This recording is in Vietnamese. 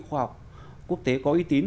khoa học quốc tế có uy tín